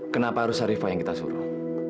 kenapa harus harifah yang kita suruh